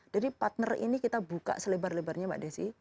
jadi partner ini kita buka selebar lebarnya mbak desi